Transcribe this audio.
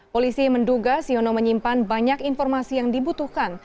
polisi menduga siono menyimpan banyak informasi yang dibutuhkan